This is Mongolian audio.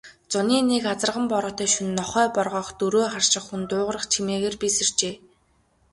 Зуны нэг азарган бороотой шөнө нохой боргоох, дөрөө харших, хүн дуугарах чимээгээр би сэржээ.